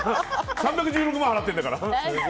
３１６万払ってるんだから。